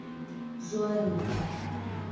Joaíma